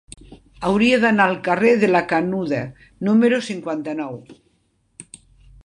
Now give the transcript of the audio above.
Hauria d'anar al carrer de la Canuda número cinquanta-nou.